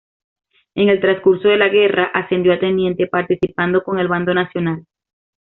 En el transcurso de la guerra, ascendió a teniente, participando con el bando nacional.